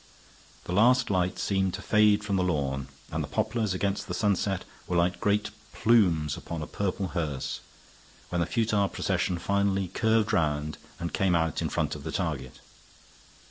The last light seemed to fade from the lawn, and the poplars against the sunset were like great plumes upon a purple hearse, when the futile procession finally curved round, and came out in front of the target.